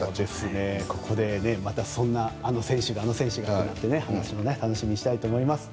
ここでまたそんな選手が、あの選手がなんて話も楽しみにしたいと思います。